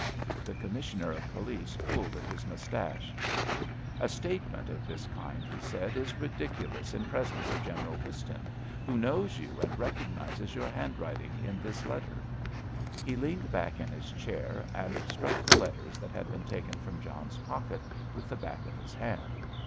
The Commissioner of Police pulled at his moustache. "A statement of this kind," he said, "is ridiculous in presence of General Whiston, who knows you and recognises your handwriting in this letter." He leaned back in his chair and struck the letters that had been taken from John's pocket with the back of his hand.